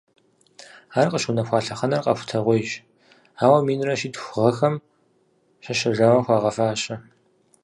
Ар къыщыунэхуа лъэхъэнэр къэхутэгъуейщ, ауэ минрэ щитху гъэхэм щэщэжауэ хуагъэфащэ.